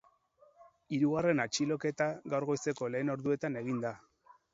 Hirugarren atxiloketa gaur goizeko lehen orduetan egin da.